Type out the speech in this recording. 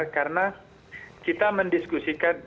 karena kita mendiskusikan